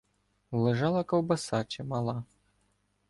Лежала ковбаса чимала